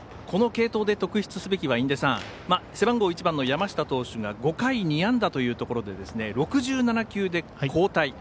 この継投で特筆すべきは背番号１番の山下投手が５回２安打というところで６７球で交代。